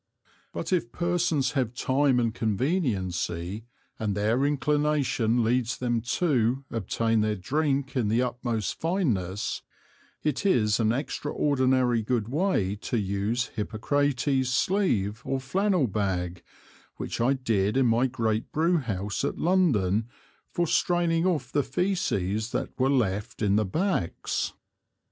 But if Persons have Time and Conveniency, and their Inclination leads them to, obtain their Drink in the utmost Fineness, it is an extraordinary good way to use Hippocrates Sleeve or Flannel Bag, which I did in my great Brew house at London for straining off the Feces that were left in the Backs.